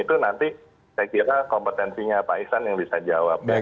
itu nanti saya kira kompetensinya pak iksan yang bisa jawab